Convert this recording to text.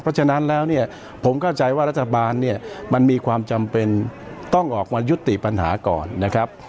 เพราะฉะนั้นแล้วเนี่ยผมเข้าใจว่ารัฐบาลเนี่ยมันมีความจำเป็นต้องออกมายุติปัญหาก่อนนะครับ